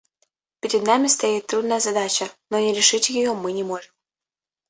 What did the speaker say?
Перед нами стоит трудная задача, но не решить ее мы не можем.